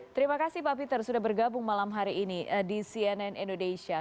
terima kasih pak peter sudah bergabung malam hari ini di cnn indonesia